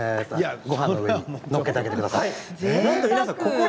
ごはんに載っけてあげてください。